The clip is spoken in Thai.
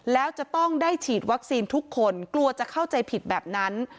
แล้วจะต้องได้ฉีดวัคซีนทุกคนกลัวจะเข้าใจผิดแบบนั้น